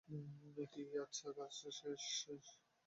কী, আচ্ছা, কাজ শেষ।